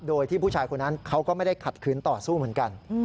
โดยที่ผู้ชายคนนั้นเขาก็ไม่ได้ขัดคืนต่อสู้เหมือนกัน